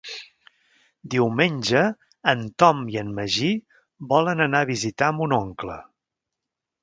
Diumenge en Tom i en Magí volen anar a visitar mon oncle.